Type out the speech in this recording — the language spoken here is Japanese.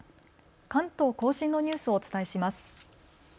関東甲信のニュースをお伝えします。